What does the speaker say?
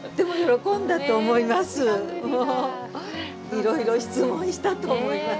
いろいろ質問したと思います。